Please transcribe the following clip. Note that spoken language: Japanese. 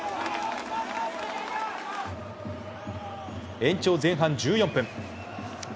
延長前半１４分。